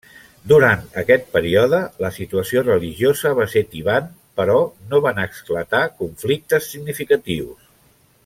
Durant aquest període, la situació religiosa va ser tibant, però no van esclatar conflictes significatius.